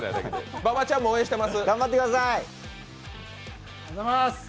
馬場ちゃんも応援してます。